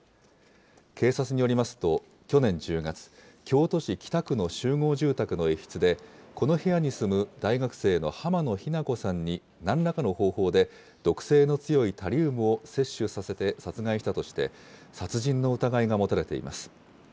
警察によりますと、去年１０月、京都市北区の集合住宅の一室で、この部屋に住む大学生の濱野日菜子さんになんらかの方法で毒性の強いタリウムを摂取させて殺害したとして、殺人の疑いが持たれています。